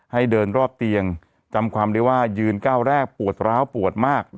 ให้เดินรอบเตียงจำความได้ว่ายืนก้าวแรกปวดร้าวปวดมาก